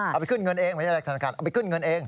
ไปขึ้นเงินเองไม่ใช่อะไรธนาคารเอาไปขึ้นเงินเอง